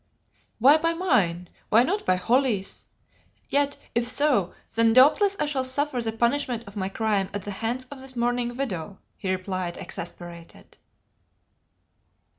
"Why by mine? Why not by Holly's? Yet, if so, then doubtless I shall suffer the punishment of my crime at the hands of his mourning widow," he replied exasperated.